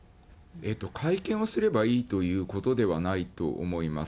会見をすればいいということではないと思います。